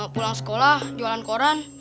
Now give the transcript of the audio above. pulang sekolah jualan koran